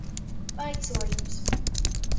Vaicuojums.